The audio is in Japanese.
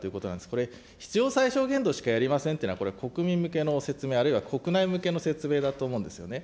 これ、必要最少限度しかやりませんっていうのは、これ、国民向けの説明、あるいは国内向けの説明だと思うんですよね。